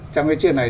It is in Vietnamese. trong cái chuyện này